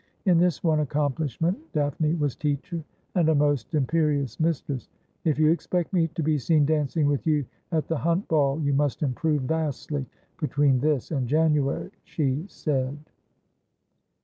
In this one accomplishment Daphne was teacher, and a most imperious mis tress. ' If you expect me to be seen dancing with you at the Hunt Ball, you must improve vastly between this and January,' she said.